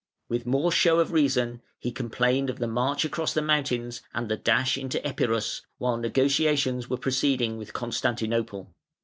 With more show of reason he complained of the march across the mountains and the dash into Epirus, while negotiations were proceeding with Constantinople.